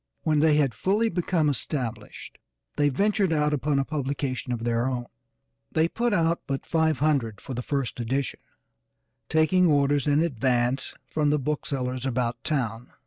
When they had fully become established they ventured out upon a publication of their own. They put out but five hundred for the first edition, taking orders in advance from the booksellers about town.